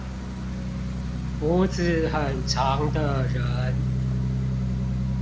鬍子很長的人